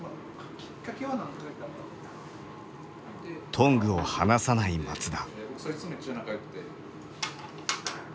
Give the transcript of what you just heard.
トングを離さない松田。